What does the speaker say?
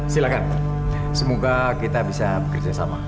silakan semoga kita bisa bekerja sama